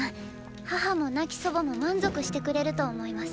母も亡き祖母も満足してくれると思います。